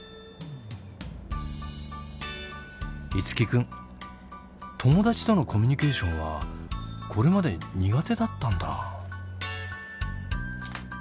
樹君友達とのコミュニケーションはこれまで苦手だったんだ。